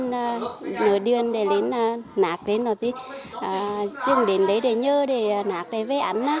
nó điên để đến nạc đến rồi thì chúng đến đấy để nhơ để nạc để vẽ ắn